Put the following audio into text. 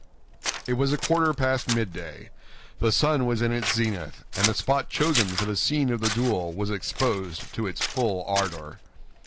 It was a quarter past midday. The sun was in its zenith, and the spot chosen for the scene of the duel was exposed to its full ardor.